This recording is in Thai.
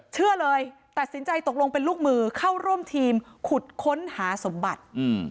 เชื่อเลยตัดสินใจตกลงเป็นลูกมือเข้าร่วมทีมขุดค้นหาสมบัติ